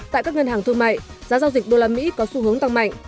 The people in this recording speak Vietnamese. tại các ngân hàng thương mại giá giao dịch đô la mỹ có xu hướng tăng mạnh